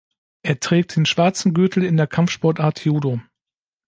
Er trägt den schwarzen Gürtel in der Kampfsportart Judo.